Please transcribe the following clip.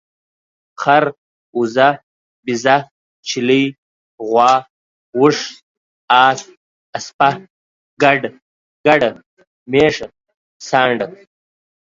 خر، اوزه، بيزه ، چيلۍ ، غوا، اوښ، اس، اسپه، ګډ، ګډه، ميښه، سانډه